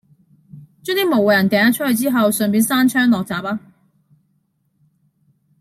將啲無謂人掟咗出去之後，順便閂窗落閘